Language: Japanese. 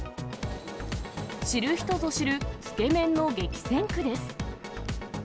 知る人ぞ知る、つけ麺の激戦区です。